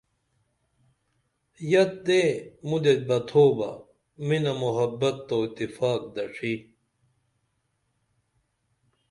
یت دے مودے بہ تھوبہ منہ محبت او اتفاق دڇی